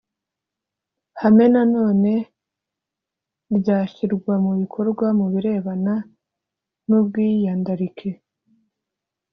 hame nanone ryashyirwa mu bikorwa mu birebana n ubwiyandarike